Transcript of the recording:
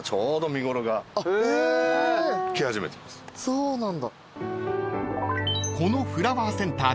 そうなんだ。